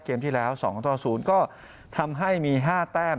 เกมที่แล้วสองตอนศูนยอมก็ทำให้มีห้าแต้ม